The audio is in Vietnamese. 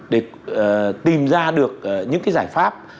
để tìm ra được những cái giải pháp